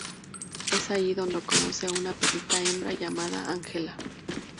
Es allí donde conoce a una perrita hembra llamada Ángela.